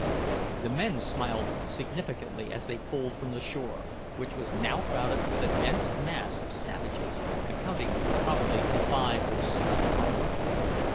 The men smiled significantly as they pulled from the shore, which was now crowded with a dense mass of savages, amounting probably to five or six hundred.